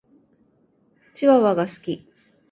チワワが好き。